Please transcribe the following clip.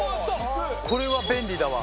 これは便利だわ。